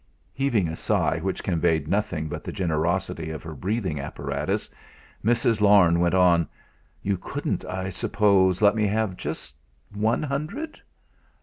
Heaving a sigh, which conveyed nothing but the generosity of her breathing apparatus, Mrs. Larne went on: "You couldn't, I suppose, let me have just one hundred?"